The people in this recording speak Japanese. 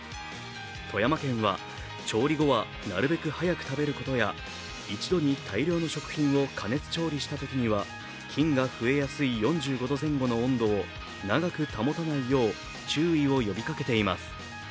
富山県は、調理後はなるべく早く食べることや、一度に大量の食品を加熱調理したときには菌が増えやすい４５度前後の温度を長く保たないよう注意を呼びかけています。